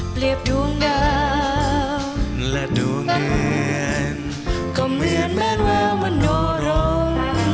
ดวงดาวและดวงเดือนก็เหมือนแมนแววมโนรม